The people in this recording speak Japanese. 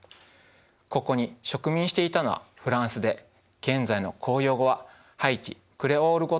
ここに植民していたのはフランスで現在の公用語はハイチ・クレオール語とフランス語です。